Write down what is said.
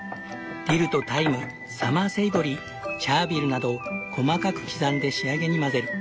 ディルとタイムサマーセイボリーチャービルなど細かく刻んで仕上げに混ぜる。